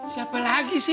siapa lagi sih